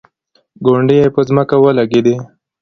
ګونډې یې په ځمکه ولګېدې.